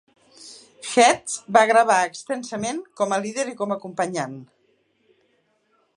Heath va gravar extensament com a líder i com a acompanyant.